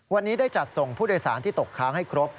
วันนี้ได้จัดส่งผู้โดยสารที่ตกค้างให้ครบ